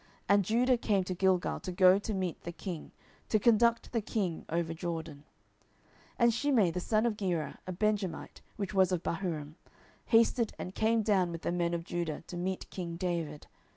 And Judah came to Gilgal, to go to meet the king, to conduct the king over Jordan. 10:019:016 And Shimei the son of Gera, a Benjamite, which was of Bahurim, hasted and came down with the men of Judah to meet king David.